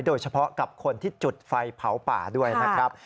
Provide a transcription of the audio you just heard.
โดยเฉพาะกับคนที่จุดไฟเผาป่าด้วยนะครับ